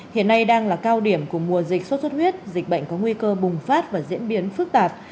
hiện nay đang là cao điểm của mùa dịch sốt xuất huyết dịch bệnh có nguy cơ bùng phát và diễn biến phức tạp